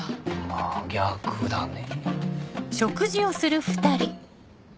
真逆だね。